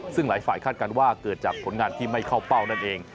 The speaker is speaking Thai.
ซึ่งหลายฝ่ายคาดการณ์ว่าเกิดจากผลงานที่ไม่เข้าเป้านั่นเอง